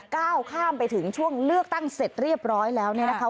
ก้าวข้ามไปถึงช่วงเลือกตั้งเสร็จเรียบร้อยแล้วเนี่ยนะคะ